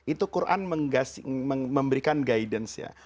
itu quran memberikan guidance